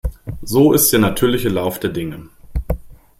So ist der natürliche Lauf der Dinge.